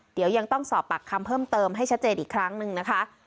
เดี๋ยวยังต้องสอบปากคำเพิ่มเติมให้ชัดเจนอีกครั้งหนึ่งนะคะ